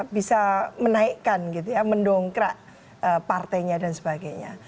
bisa menaikkan mendongkrak partainya dan sebagainya